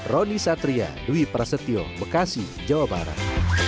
roni satria dwi prasetyo bekasi jawa barat